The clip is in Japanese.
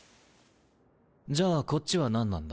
じゃあこっちは何なんだ？